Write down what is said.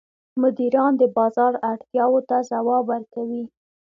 مدیران د بازار اړتیاوو ته ځواب ورکوي.